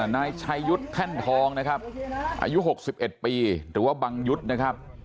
นายชายุทธ์แท่นทองนะครับอายุ๖๑ปีหรือว่าบังยุทธ์นะครับ